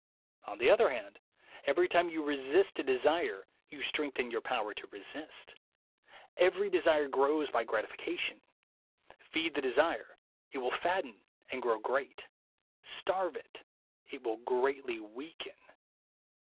On the other hand, every time you resist a desire you strengthen your power to resist. Every desire grows by gratification. Feed the desire, it will fatten and grow great; starve it, it will greatly weaken.